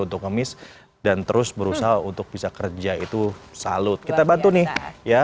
untuk ngemis dan terus berusaha untuk bisa kerja itu salut kita bantu nih ya